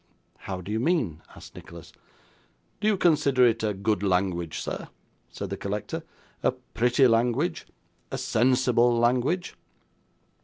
'How do you mean?' asked Nicholas. 'Do you consider it a good language, sir?' said the collector; 'a pretty language, a sensible language?